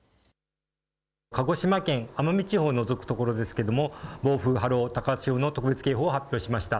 鹿児島県、奄美地方を除く所ですけれども暴風、波浪、高潮の特別警報を発表しました。